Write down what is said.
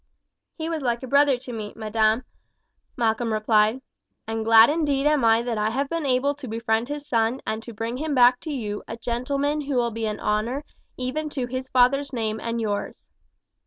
"He was like a brother to me, madam," Malcolm replied; "and glad indeed am I that I have been able to befriend his son and to bring him back to you a gentleman who will be an honour even to his father's name and yours."